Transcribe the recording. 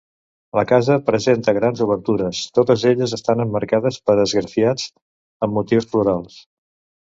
La casa presenta grans obertures, totes elles estan emmarcades per esgrafiats amb motius florals.